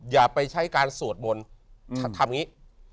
อย่าไปใช้การสวดมนต์ทำอย่างนี้